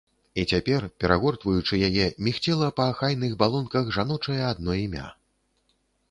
І цяпер, перагортваючы яе, мігцела па ахайных балонках жаночае адно імя.